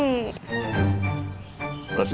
ini mau operasi